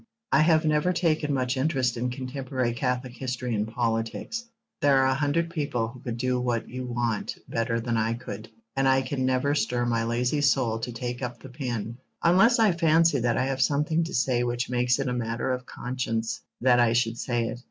I have never taken much interest in contemporary Catholic history and politics. There are a hundred people who could do what you want better than I could, and I can never stir my lazy soul to take up the pen, unless I fancy that I have something to say which makes it a matter of conscience that I should say it.